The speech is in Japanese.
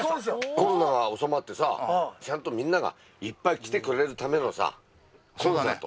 コロナが収まってさ、ちゃんとみんながいっぱい来てくれるためのコンサート。